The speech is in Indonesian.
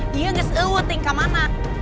dia gak seut tingkah mana